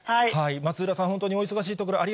松浦さん、本当にお忙しいといえいえ。